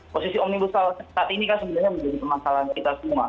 posisi omnibus law saat ini kan sebenarnya menjadi permasalahan kita semua